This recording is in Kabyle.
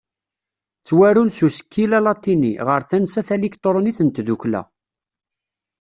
Ttwarun s usekkil alatini, ɣer tansa talikṭrunit n tdukkla.